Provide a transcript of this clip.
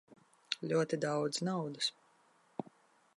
Ļoti daudz naudas.